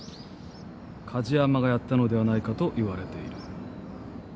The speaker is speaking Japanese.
梶山がやったのではないかといわれている。